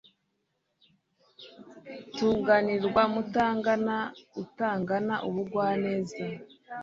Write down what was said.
tunganirwa mutangana itangana ubugwaneza